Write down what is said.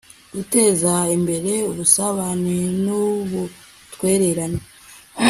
guteza imbere ubusabane n'ubutwererane